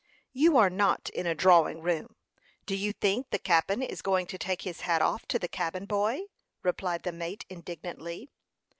"You are not in a drawing room! Do you think the cap'n is going to take his hat off to the cabin boy?" replied the mate, indignantly.